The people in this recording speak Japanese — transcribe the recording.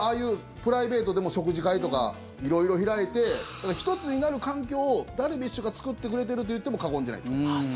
プライベートでも食事会とか色々、開いて一つになる環境をダルビッシュが作ってくれてると言っても過言じゃないです。